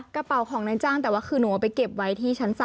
กระเป๋าของนายจ้างแต่ว่าคือหนูเอาไปเก็บไว้ที่ชั้น๓